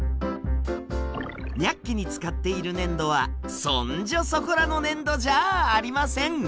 「ニャッキ！」に使っている粘土はそんじょそこらの粘土じゃありません。